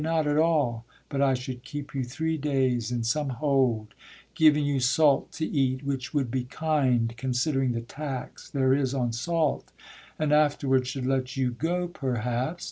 not at all, But I should keep you three days in some hold, Giving you salt to eat, which would be kind, Considering the tax there is on salt; And afterwards should let you go, perhaps?